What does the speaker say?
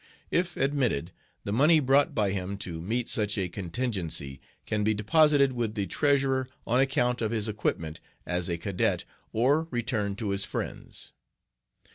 If admitted, the money brought by him to meet such a contingency can be deposited with the Treasurer on account of his equipment as a cadet, or returned to his friends.